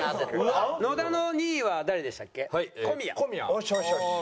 よしよしよし！